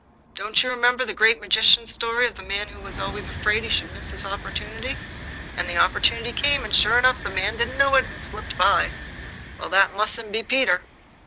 Don't you remember the Great Magician's story of the man who was always afraid he should miss his opportunity? And the opportunity came, and, sure enough, the man didn't know it, and it slipped by. Well, that mustn't be Peter."